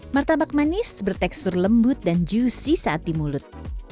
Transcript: martabak manis bertekstur lembut dan juicy saat di mulut